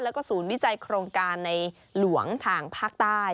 แล้วก็ศูนย์วิจัยโครงการในหลวงทางภาคใต้